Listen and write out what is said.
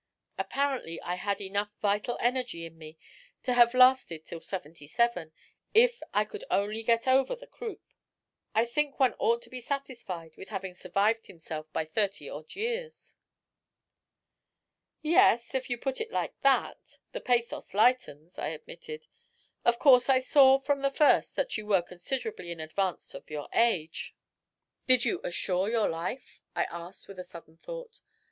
Apparently I had enough vital energy in me to have lasted till seventy seven, if I could only get over the croup. I think one ought to be satisfied with having survived himself by thirty odd years." "Yes, if you put it like that, the pathos lightens," I admitted. "Of course I saw from the first that you were considerably in advance of your age. Did you assure your life?" I asked, with a sudden thought.